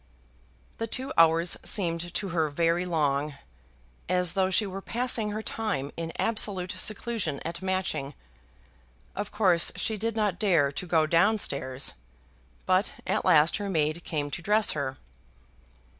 The two hours seemed to her very long, as though she were passing her time in absolute seclusion at Matching. Of course she did not dare to go down stairs. But at last her maid came to dress her.